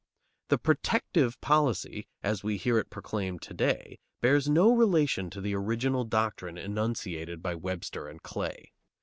The "protective" policy, as we hear it proclaimed to day, bears no relation to the original doctrine enunciated by Webster and Clay.